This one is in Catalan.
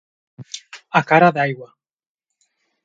A cara d'aigua.